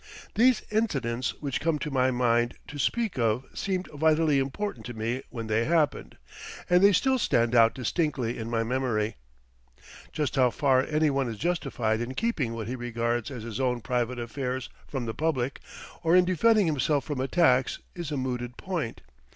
These incidents which come to my mind to speak of seemed vitally important to me when they happened, and they still stand out distinctly in my memory. Just how far any one is justified in keeping what he regards as his own private affairs from the public, or in defending himself from attacks, is a mooted point.